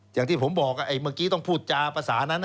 อย่างที่ผมบอกเมื่อกี้ต้องพูดจาภาษานั้น